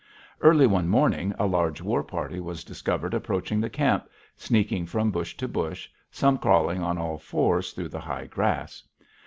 Early one morning a large war party was discovered approaching the camp, sneaking from bush to bush, some crawling on all fours through the high grass.